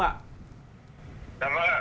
dạ vâng ạ